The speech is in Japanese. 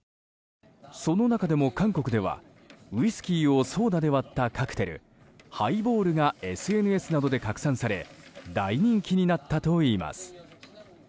その中でも韓国ではウイスキーをソーダで割ったカクテル、ハイボールがＳＮＳなどで拡散され大人気になったといいます。